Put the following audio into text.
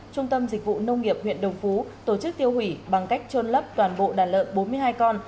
trung tâm dịch vụ nông nghiệp huyện đồng phú tổ chức tiêu hủy bằng cách trôn lấp toàn bộ đàn lợn bốn mươi hai con